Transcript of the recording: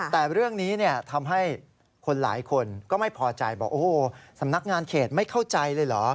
แต่เรื่องนี้ทำให้คนหลายคนก็ไม่พอใจบอกโอ้โหสำนักงานเขตไม่เข้าใจเลยเหรอ